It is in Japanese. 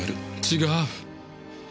違う。